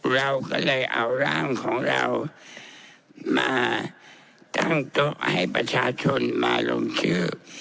เราก็เลยเอาร่างของเรามาตั้งโต๊ะให้ประชาชนมาลงชื่อ